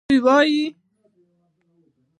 دوی وایي